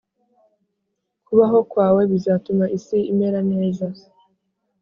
kubaho kwawe bizatuma isi imera neza,